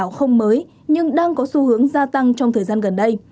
lừa đảo không mới nhưng đang có xu hướng gia tăng trong thời gian gần đây